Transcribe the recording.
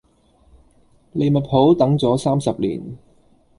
利物浦等咗三十年